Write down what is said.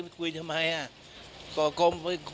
ไม่รู้ที่เราจะคุยฟังเทียม